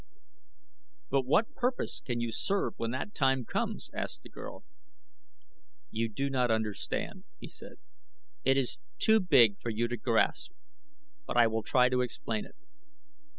"But what purpose can you serve when that time comes?" asked the girl. "You do not understand," he said. "It is too big for you to grasp, but I will try to explain it.